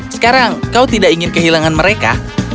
sekarang kau tidak ingin kehilangan mereka